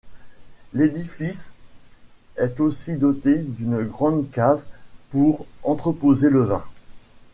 L'édifice est aussi doté d'une grande cave pour entreposer le vin.